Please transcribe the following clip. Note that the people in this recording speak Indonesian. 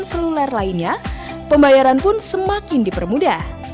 ketika telpon seluler lainnya pembayaran pun semakin dipermudah